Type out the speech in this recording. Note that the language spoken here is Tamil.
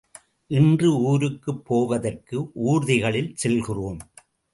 இன்று ஊருக்குப் போவதற்கு ஊர்திகளில் செல்கிறோம்.